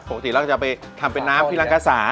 ปกติเราจะไปทำเป็นน้ำที่รังกาสา